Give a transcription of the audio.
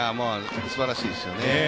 すばらしいですよね。